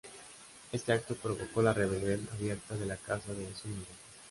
Este acto provocó la rebelión abierta de la Casa de Zúñiga.